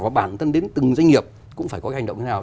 và bản thân đến từng doanh nghiệp cũng phải có cái hành động như thế nào